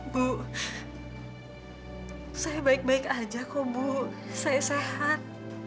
bu saya baik baik aja kok bu saya sehat